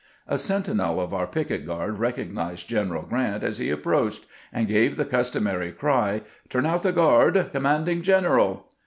A sentinel of our picket guard recognized General G rant as lie approached, and gave the custom ary cry, " Turn out the guard — commanding general